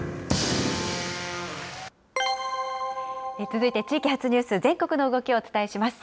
続いて地域発ニュース、全国の動きをお伝えします。